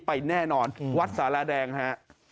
ไปแน่นอนวัดสารแดงฮะ